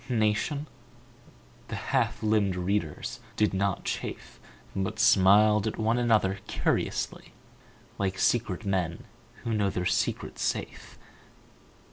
Nation? The half limbed readers did not chafe But smiled at one another curiously Like secret men who know their secret safe.